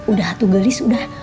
udah tuh gelis udah